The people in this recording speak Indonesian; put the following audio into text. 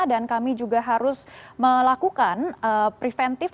dan kami juga harus melakukan preventif